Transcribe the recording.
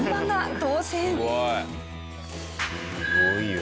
すごいよ！